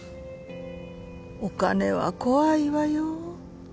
お金は怖いわよ。